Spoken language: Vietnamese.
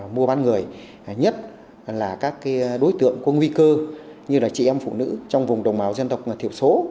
mua bán người nhất là các đối tượng có nguy cơ như là chị em phụ nữ trong vùng đồng bào dân tộc thiểu số